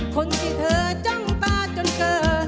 คนที่เธอจ้องตาจนเกิด